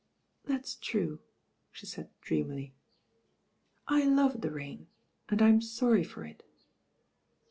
"That's true," she said dreamily. "I love the rain, and I'm sorry for it."